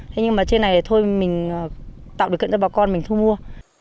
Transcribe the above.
thế nhưng mà trên này thì thôi mình tạo được cận cho bà con mình thu mua